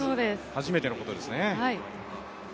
初めてのことですね。